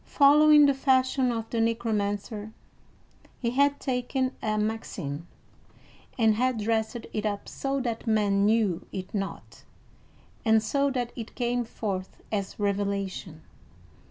Following the fashion of the Necromancer, he had taken a maxim, and had dressed it up so that men knew it not, and so that it came forth as revelation.